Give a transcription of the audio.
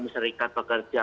lima enam serikat pekerja